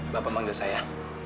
bapak mengundur saya